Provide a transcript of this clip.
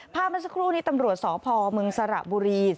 เมื่อสักครู่นี้ตำรวจสพเมืองสระบุรี